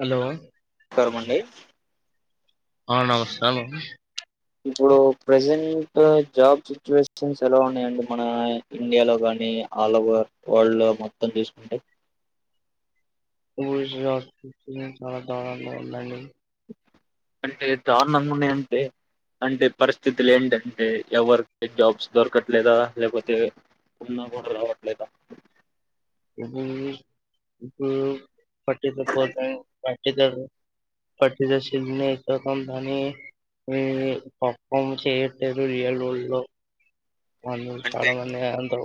hello రామండి ఆ నమస్కారం ఇప్పుడు ప్రసెంట్ జాబ్ సిచ్యువేషన్స్ ఎలా ఉన్నాయండి మన ఇండియాలో గానీ ఆల్ ఓవర్ వరల్డ్ లో మొత్తం తీసుకుంటే [inaudible] చాలా దారుణంగా ఉన్నాయండీ అంటే దారుణంగాన్నాయ అంటే అంటే పరిస్థితులు ఏంటంటే ఎవరికి జాబ్స్ దొరకట్లేదా లేకపోతే ఉన్నా కూడా రావట్లేదా ఇ ఇప్పుడు పట్టి పట్టి పట్టిద ఎంతో కొంత అని ఫోర్ఫామేన్స్ చేయట్లేదు రియల్ వరల్డ్ లో వాళ్ళు అంటే చాలా మంది అందరూ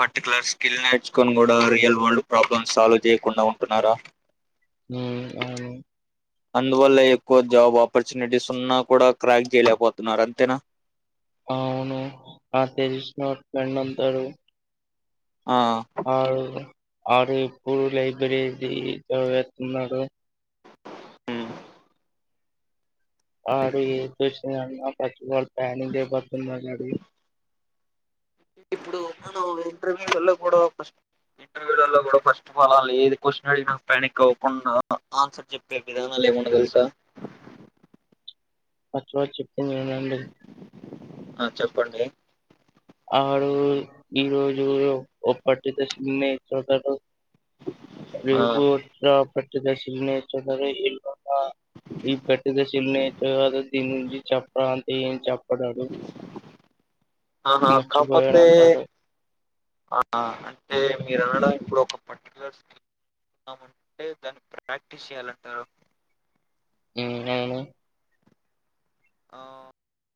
పర్టికులర్ స్కిల్ నేర్చుకొని కూడా రియల్ వరల్డ్ ప్రాబ్లమ్స్ సాల్వ్ చేయకుండా ఉంటున్నారా ఉ అవును అందువల్ల ఎక్కువ జాబ్ ఆపర్చునిటీస్ ఉన్నా కూడా క్రాక్ చేయలేకపోతున్నారు అంతేనా అవును తెలిసిన ఫ్రెండ్ ఉంటాడు ఆ వాడు వాడు ఇప్పుడు లైబ్రరీది చదివిస్తున్నాడు ఉమ్ వాడు ఈ [inaudible] ఏం అన్న పట్టించుకోడు ప్యానింగ్ చేయి పడుతుంది ఆ [inaudible] ఇప్పుడు మనం ఇంటర్వ్యూలలో కూడా ఇంటర్వ్యూలలో కూడా ఫస్ట్ మనల్ని ఏది క్వశ్చన్ అడిగి ప్యానిక్ అవ్వకుండా ఆన్సర్ చెప్పే విధానాలు ఏమైనా తెలుసా వచ్చు వచ్చు ఆ చెప్పండి ఆడు ఈరోజు [unintelligible] [inaudible] వి [unintelligible] ఆ ఆ ఈ పెట్టటిద చిల్ న అ దీని గురించి చెప్ప అంటే ఏం చెప్ప పడాడు ఆహా కాకపోతే ఆ అంటే మీరు అనడం ఇప్పుడు ఒక పర్టికు్యలర్ స్కమ్ందమంటే దాన్ని ప్రాక్టీస్ చేయాలంటారు [unintelligible] ఇంకేమి ఆ